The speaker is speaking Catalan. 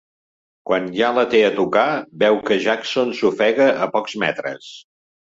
Quan ja la té a tocar veu que Jackson s'ofega a pocs metres.